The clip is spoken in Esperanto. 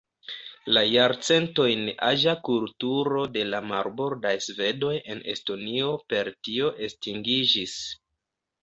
La jarcentojn aĝa kulturo de la "marbordaj svedoj" en Estonio per tio estingiĝis.